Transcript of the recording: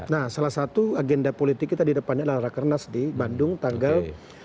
nah salah satu agenda politik kita di depannya adalah rakernas di bandung tanggal